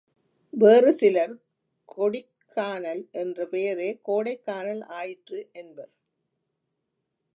வேறு சிலர் கொடிக்கானல் என்ற பெயரே கோடைக்கானல் ஆயிற்று என்பர்.